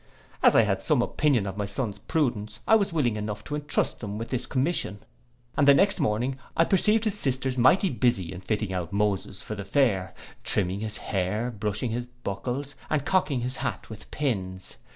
As I had some opinion of my son's prudence, I was willing enough to entrust him with this commission; and the next morning I perceived his sisters mighty busy in fitting out Moses for the fair; trimming his hair, brushing his buckles, and cocking his hat with pins.